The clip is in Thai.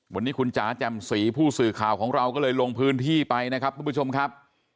วันนี้คุณจ๋าแจ่มสีผู้สื่อข่าวของเราก็เลยลงพื้นที่ไปนะครับทุกผู้ชมครับ